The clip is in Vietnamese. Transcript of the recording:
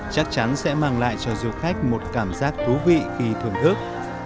chắc chắn sẽ mang lại cho du khách một cảm giác thú vị khi thưởng thức